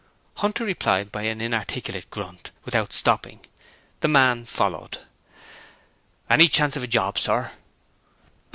Hunter replied by an inarticulate grunt, without stopping; the man followed. 'Any chance of a job, sir?'